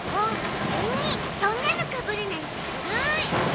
それにそんなのかぶるなんてずるーい！